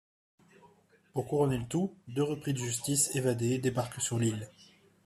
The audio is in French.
Pour couronner le tout, deux repris de justice évadés débarquent sur l'île.